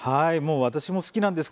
私も好きなんです。